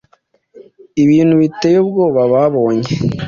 ibintu biteye ubwoba babonye.